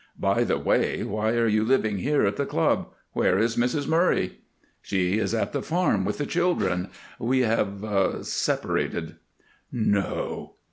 By the way, why are you living here at the club? Where is Mrs. Murray?" "She is at the farm with the children. We have separated." "_No!